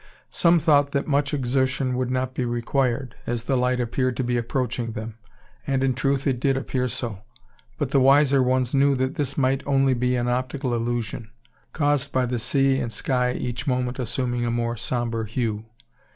Some thought that much exertion would not be required; as the light appeared to be approaching them. And, in truth, it did appear so; but the wiser ones knew that this might be only an optical illusion, caused by the sea and sky each moment assuming a more sombre hue.